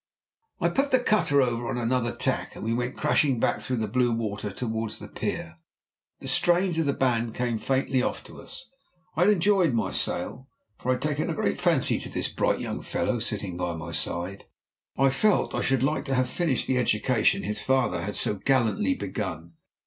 I put the cutter over on another tack, and we went crashing back through the blue water towards the pier. The strains of the band came faintly off to us. I had enjoyed my sail, for I had taken a great fancy to this bright young fellow sitting by my side. I felt I should like to have finished the education his father had so gallantly begun.